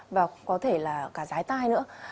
và có thể là cả rái tai nữa